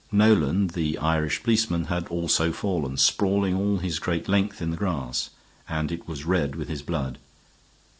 Nolan, the Irish policeman, had also fallen, sprawling all his great length in the grass, and it was red with his blood.